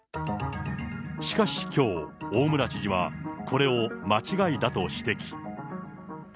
しかしきょう、大村知事はこれを間違いだと指摘。